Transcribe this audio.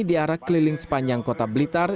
diarak keliling sepanjang kota blitar